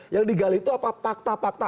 yang digali itu apa fakta fakta